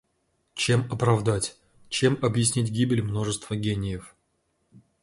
Чем оправдать, чем объяснить гибель множества гениев?